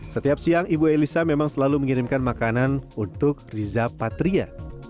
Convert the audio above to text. setiap siang ibu elisa memang selalu mengirimkan makanan untuk riza patria